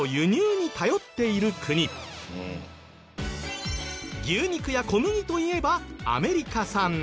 牛乳や小麦といえばアメリカ産。